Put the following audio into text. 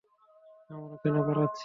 আমরা কেন পালাচ্ছি?